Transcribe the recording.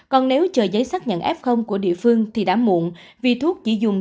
còn nếu chờ giấy xác nhận f của địa phương thì đã muộn vì thuốc chỉ dùng